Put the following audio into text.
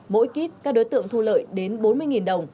mỗi kýt các đối tượng thu lợi đến bốn mươi nghìn đồng